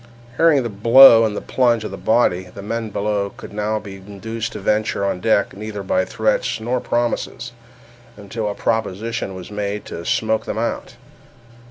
Hearing the blow and the plunge of the body, the men below could now be induced to venture on deck neither by threats nor promises, until a proposition was made to smoke them out.